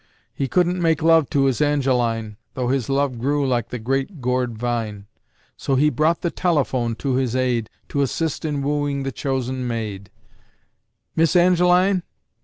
He couldn't make love to his Angeline Though his love grew like the Great Gourd Vine; So he brought the telephone to his aid To assist in wooing the chosen maid: "Miss Angeline?